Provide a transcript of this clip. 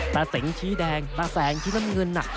แต่เสียงชี้แดงแต่แสงชีวิตมันเงินน่ะ